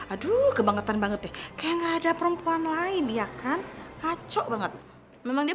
aduh kebangetan banget deh kayak gak ada perempuan lain ya kan paco banget memang dia